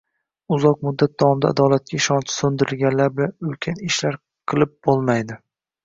Uzoq muddat davomida adolatga ishonchi so‘ndirilganlar bilan ulkan ishlar qilib bo‘lmaydi.